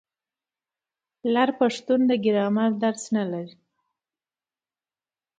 لر پښتون د ګرامر درس نه لري.